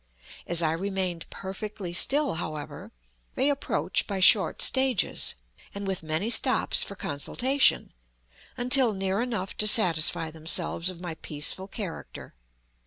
As I remained perfectly still, however, they approach by short stages, and with many stops for consultation, until near enough to satisfy themselves of my peaceful character.